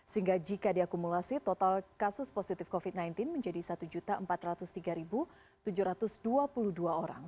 sehingga jika diakumulasi total kasus positif covid sembilan belas menjadi satu empat ratus tiga tujuh ratus dua puluh dua orang